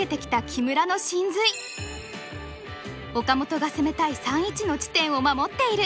岡本が攻めたい３一の地点を守っている。